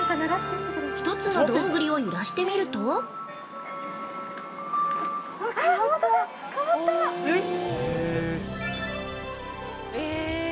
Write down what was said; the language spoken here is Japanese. １つのどんぐりを揺らしてみると◆